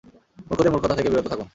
মূর্খদের মূর্খতা থেকে বিরত থাকুন!